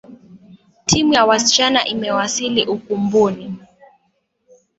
Timu ya wasichana imewasili ukumbuni.